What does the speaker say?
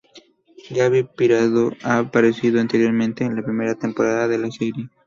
Gabi Prado ha aparecido anteriormente en la primera temporada de la serie.